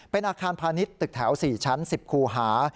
เป็นอาคารพาณิชย์ตึกแถว๔ชั้น๑๐คูหา